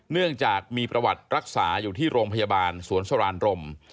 เนื่องจากมีประวัติรักษาอยู่ที่โรงพยาบาลสวนสรานรม